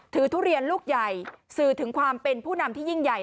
ทุเรียนลูกใหญ่สื่อถึงความเป็นผู้นำที่ยิ่งใหญ่